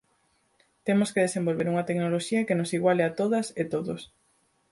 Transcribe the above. Temos que desenvolver unha tecnoloxía que nos iguale a todas e todos.